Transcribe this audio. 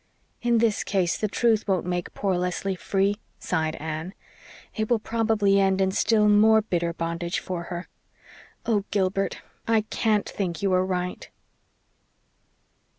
"In this case the truth won't make poor Leslie free," sighed Anne. "It will probably end in still more bitter bondage for her. Oh, Gilbert, I CAN'T think you are right."